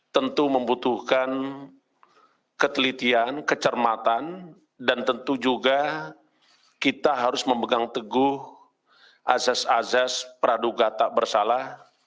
tentu membutuhkan ketelitian kecermatan dan tentu juga kita harus memegang teguh azas azas praduga tak bersalah